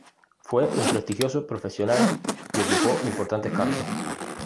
Fue un prestigioso profesional y ocupó importantes cargos.